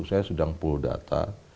saya sedang pull data